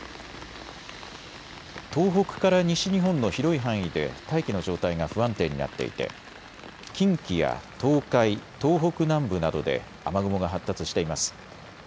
東北から西日本の広い範囲で大気の状態が不安定になっていて近畿や東海、東北南部などで雨雲が発達しています。